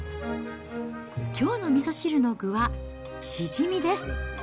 きょうのみそ汁の具は、シジミです。